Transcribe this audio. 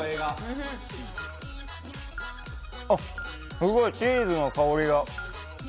すごいチーズの香りが。